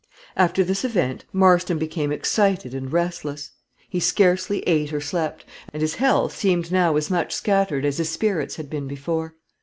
After this event Marston became excited and restless. He scarcely ate or slept, and his health seemed now as much scattered as his spirits had been before.